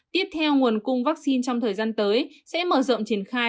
tiếp theo nguồn cung vaccine trong thời gian tới sẽ mở rộng triển khai